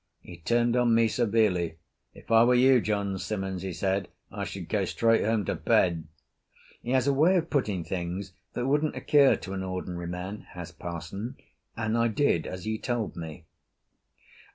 He turned on me severely. "If I were you, John Simmons," he said, "I should go straight home to bed." He has a way of putting things that wouldn't occur to an ordinary man, has parson, and I did as he told me.